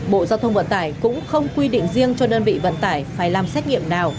bộ giao thông vận tải cũng không quy định riêng cho đơn vị vận tải phải làm xét nghiệm nào